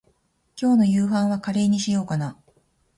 今日の夕飯はカレーにしようかな。